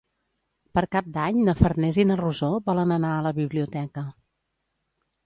Per Cap d'Any na Farners i na Rosó volen anar a la biblioteca.